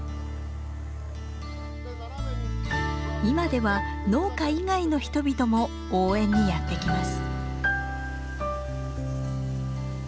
今では農家以外の人々も応援にやって来ます。